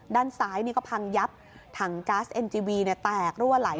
ด้านซ้ายนี่ก็พังยับถังก๊าซเอ็นจีวีแตกรั่วไหล